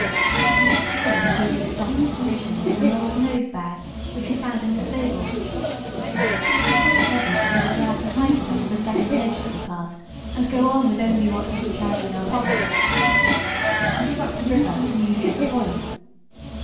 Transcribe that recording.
We secured a goodly stock of provisions in an old nose bag which we found in the stables, but it was so heavy that we were glad to hide it under the second hedge that we passed and go on with only what we could carry in our pockets. We struck the river at the usual point.